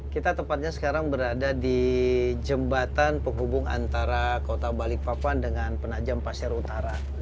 kita tepatnya sekarang berada di jembatan penghubung antara kota balikpapan dengan penajam pasir utara